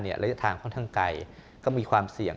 ระยะทางค่อนข้างไกลก็มีความเสี่ยง